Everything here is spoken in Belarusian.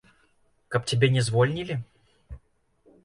Каб цябе не звольнілі?